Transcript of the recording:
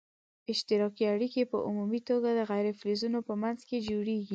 اشتراکي اړیکي په عمومي توګه د غیر فلزونو په منځ کې جوړیږي.